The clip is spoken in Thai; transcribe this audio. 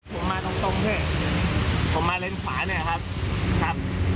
ผมมาทั้งตรงเท่ผมมาเลนส์ขวาเนี่ยครับครับ